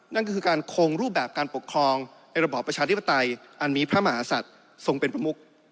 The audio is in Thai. นั่นก็คือการคงรูปแบบการปกครองในระบอบประชาธิปไตยอันมีพระมหาศัตริย์ทรงเป็นประมุก